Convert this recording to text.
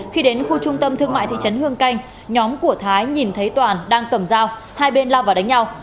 khi đến khu trung tâm thương mại thị trấn hương canh nhóm của thái nhìn thấy toàn đang cầm dao hai bên lao vào đánh nhau